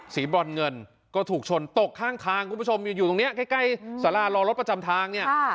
บรอนเงินก็ถูกชนตกข้างทางคุณผู้ชมอยู่ตรงนี้ใกล้สารารอรถประจำทางเนี่ย